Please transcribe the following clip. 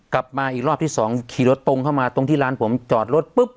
กลับมาอีกรอบที่สองขี่รถตรงเข้ามาตรงที่ร้านผมจอดรถปุ๊บ